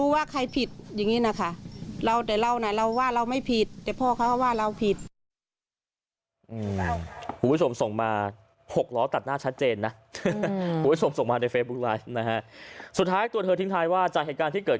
ว่าเราไม่ผิดแต่พ่อเขาก็ว่าเราผิด